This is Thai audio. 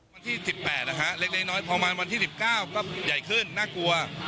วันที่สิบแปดนะคะเล็กในน้อยพอมาวันที่สิบเก้าก็ใหญ่ขึ้นน่ากลัว